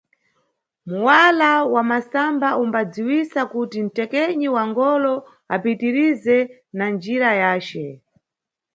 Muwala wa masamba umbadziwisa kuti nʼtekenyi wa ngolo apitirize na njira yace.